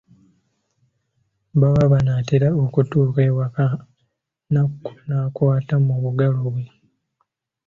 Baba banaatera okutuuka ewaka, Nakku n'akwata mu bulago bwe.